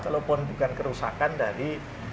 kalau pun bukan kerusakan dari